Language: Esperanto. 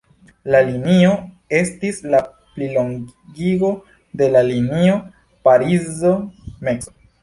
La linio estis la plilongigo de la linio Parizo–Meco.